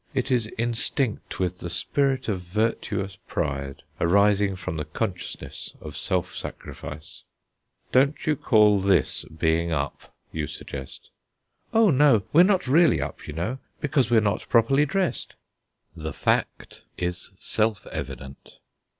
It is instinct with the spirit of virtuous pride, arising from the consciousness of self sacrifice. "Don't you call this being up?" you suggest. "Oh, no; we're not really up, you know, because we're not properly dressed." The fact is self evident.